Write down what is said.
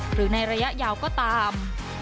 หรือในระยะยาวก็ตาม